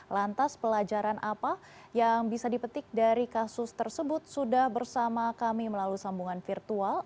lantas pelajaran apa yang bisa dipetik dari kasus tersebut sudah bersama kami melalui sambungan virtual